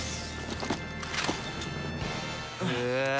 へえ。